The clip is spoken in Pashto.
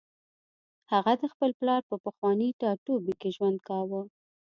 هغه د خپل پلار په پخواني ټاټوبي کې ژوند کاوه